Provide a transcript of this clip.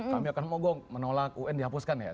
kami akan mogok menolak un dihapuskan ya